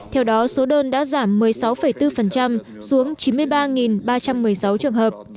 theo đó số đơn đã giảm một mươi sáu bốn xuống chín mươi ba ba trăm một mươi sáu trường hợp